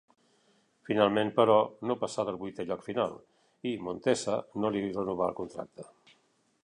Finalment, però, no passà del vuitè lloc final i Montesa no li renovà el contracte.